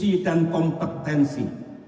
memiliki visi dan kompetensi